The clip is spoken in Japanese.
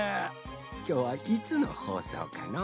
きょうはいつのほうそうかのう？